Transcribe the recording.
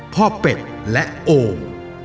พ่อเป็ดและโอม